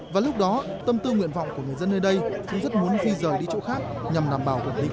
và lúc đó tâm tư nguyện vọng của người dân nơi đây cũng rất muốn phi rời đi chỗ khác nhằm nằm bảo quản lý cuộc sống của họ